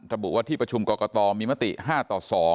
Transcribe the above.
ระบุว่าที่ประชุมกรกตมีมติ๕ต่อ๒